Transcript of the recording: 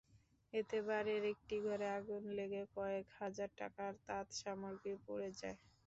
এতে বাড়ির একটি ঘরে আগুন লেগে কয়েক হাজার টাকার তাঁতসামগ্রী পুড়ে যায়।